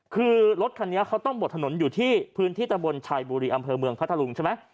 คือรถคันนี้เขาต้องบดถนนอยู่ที่พื้นที่ตะบนชัยบุรีอำเภอเมืองพัทธลุงใช่ไหม